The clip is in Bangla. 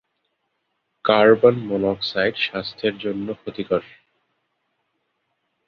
কার্বন মনোক্সাইড স্বাস্থ্যের জন্য ক্ষতিকর।